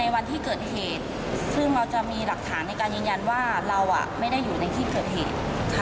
วันที่เกิดเหตุซึ่งเราจะมีหลักฐานในการยืนยันว่าเราไม่ได้อยู่ในที่เกิดเหตุ